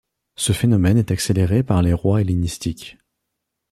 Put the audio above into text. Ce phénomène est accéléré par les rois hellénistiques.